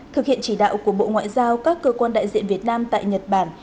thực hiện chỉ đạo của bộ ngoại giao các cơ quan đại diện việt nam tại nhật bản